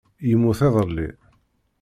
Yemmut iḍelli.